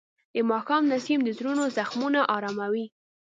د ماښام نسیم د زړونو زخمونه آراموي.